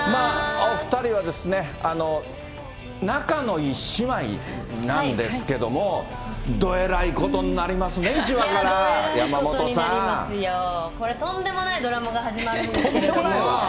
お２人は仲のいい姉妹なんですけども、どえらいことになりますね、１話から、とんでもないドラマが始まるんですけれども。